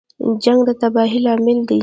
جنګ د تباهۍ لامل دی